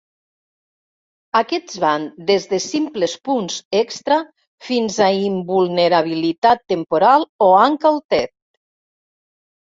Aquests van des de simples punts extra fins a invulnerabilitat temporal o "Uncle Ted".